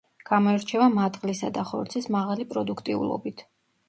გამოირჩევა მატყლისა და ხორცის მაღალი პროდუქტიულობით.